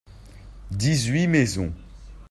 dix-huit maisons.